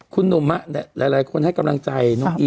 คุณหนุ่มนะหลายคนให้ขอบรังใจคุณอีฟ